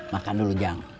makan dulu jang